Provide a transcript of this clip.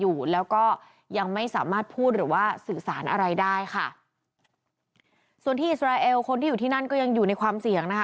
อยู่แล้วก็ยังไม่สามารถพูดหรือว่าสื่อสารอะไรได้ค่ะส่วนที่อิสราเอลคนที่อยู่ที่นั่นก็ยังอยู่ในความเสี่ยงนะคะ